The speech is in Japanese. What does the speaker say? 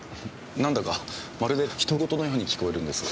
なんだかまるで他人事のように聞こえるんですが。